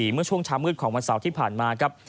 เมื่อช่วงเช้ามืดของวันเสาร์ที่ผ่านมาครับ